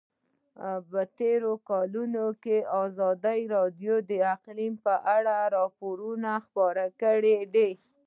په تېرو کلونو کې ازادي راډیو د اقلیم په اړه راپورونه خپاره کړي دي.